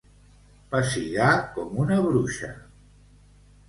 Pessigar com una bruixa.